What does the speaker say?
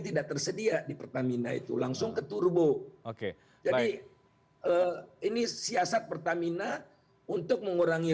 tidak tersedia di pertamina itu langsung ke turbo oke jadi ini siasat pertamina untuk mengurangi